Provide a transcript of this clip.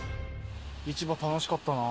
市場楽しかったな。